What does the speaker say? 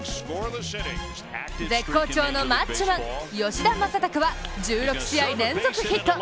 絶好調のマッチョマン・吉田正尚は１６試合連続ヒット！